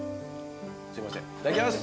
すいませんいただきます。